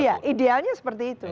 iya idealnya seperti itu